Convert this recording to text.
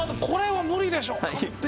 これは無理でしょ。